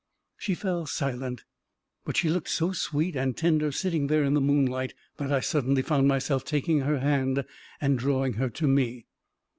." She fell silent, but she looked so sweet and tender sitting there in the moonlight, that I suddenly found myself taking her hand and drawing her to me.